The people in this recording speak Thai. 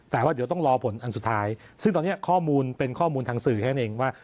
แต่ว่าเดี๋ยวต้องรอผลอันสุดท้ายซึ่งตอนนี้ข้อมูลเป็นข้อมูลทางสื่อแค่นั้นเองว่า